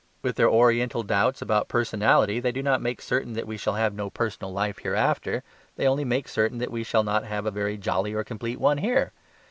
With their oriental doubts about personality they do not make certain that we shall have no personal life hereafter; they only make certain that we shall not have a very jolly or complete one here.